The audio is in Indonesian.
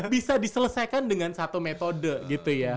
bisa diselesaikan dengan satu metode gitu ya